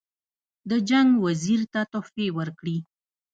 د جنګ وزیر ته تحفې ورکړي.